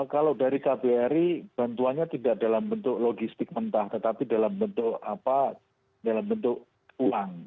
kalau dari kbri bantuannya tidak dalam bentuk logistik mentah tetapi dalam bentuk apa dalam bentuk uang